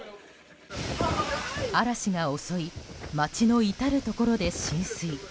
嵐が襲い街の至るところで浸水。